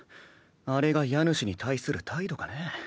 あれが家主に対する態度かね。